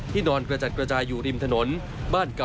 ที่นอนกระจักอยู่ทางทาง